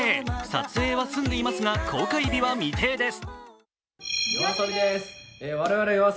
撮影は済んでいますが、公開日は未定です。